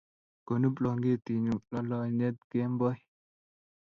kono blanketitnyu lolonyet kemboi